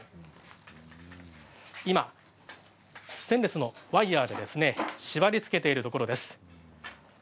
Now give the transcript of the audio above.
今、ステンレスのワイヤーで縛りつけているところです。